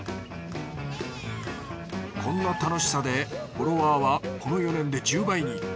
こんな楽しさでフォロワーはこの４年で１０倍に。